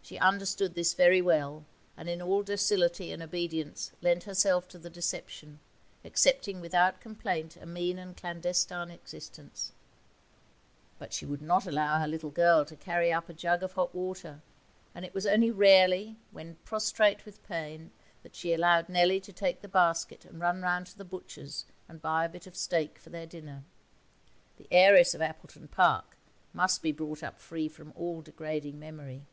She understood this very well, and in all docility and obedience lent herself to the deception, accepting without complaint a mean and clandestine existence. But she would not allow her little girl to carry up a jug of hot water, and it was only rarely, when prostrate with pain, that she allowed Nellie to take the basket and run round to the butcher's and buy a bit of steak for their dinner. The heiress of Appleton Park must be brought up free from all degrading memory.